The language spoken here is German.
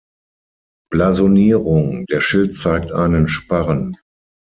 Blasonierung: Der Schild zeigt einen Sparren.